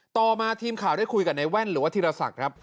ต่อมาทีมข่าวได้คุยกับในแว่นหรือว่าธีรศักดิ์ครับ